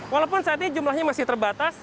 walaupun saat ini jumlahnya masih terbatas